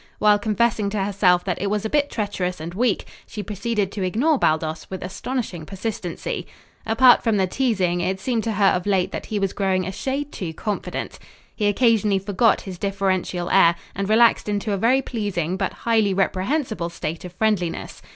While confessing to herself that it was a bit treacherous and weak, she proceeded to ignore Baldos with astonishing persistency. Apart from the teasing, it seemed to her of late that he was growing a shade too confident. He occasionally forgot his differential air, and relaxed into a very pleasing but highly reprehensible state of friendliness.